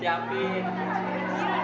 yaudah gue keputus deh